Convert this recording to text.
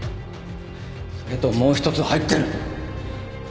それともう一つ入ってる。